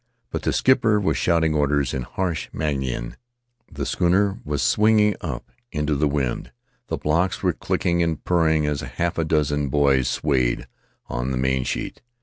But the skipper was shouting orders in harsh Mangaian; the schooner was swinging up into the wind; the blocks were clicking and purring as half a dozen boys swayed on the mainsheet.